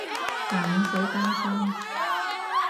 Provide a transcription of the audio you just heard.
但唔使擔心